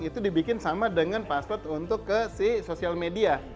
itu dibikin sama dengan password untuk ke si sosial media